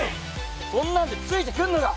こんなんでついてくんのか？